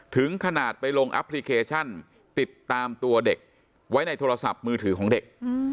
ถึงขนาดไปลงแอปพลิเคชันติดตามตัวเด็กไว้ในโทรศัพท์มือถือของเด็ก